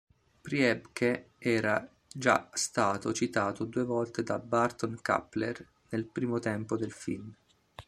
Priebke era già stato citato due volte da Burton-Kappler nel primo tempo del film.